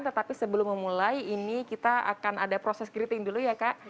tetapi sebelum memulai ini kita akan ada proses greeting dulu ya kak